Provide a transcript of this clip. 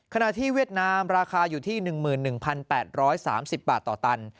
ที่เวียดนามราคาอยู่ที่๑๑๘๓๐บาทต่อตัน